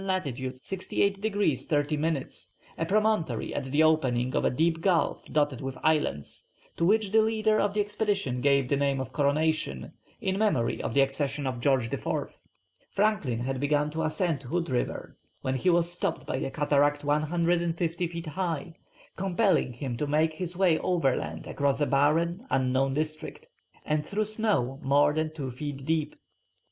lat. 68 degrees 30 minutes, a promontory at the opening of a deep gulf dotted with islands, to which the leader of the expedition gave the name of Coronation, in memory of the accession of George IV. Franklin had begun to ascend Hood River, when he was stopped by a cataract 250 feet high, compelling him to make his way overland across a barren, unknown district, and through snow more than two feet deep.